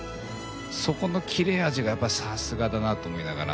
そこの切れ味がやっぱさすがだなと思いながら。